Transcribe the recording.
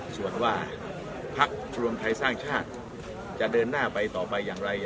ส่วนว่าพักรวมไทยสร้างชาติจะเดินหน้าไปต่อไปอย่างไร